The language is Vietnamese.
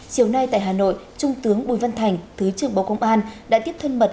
chiều nay tại hà nội trung tướng bùi văn thành thứ trưởng bộ công an đã tiếp thân mật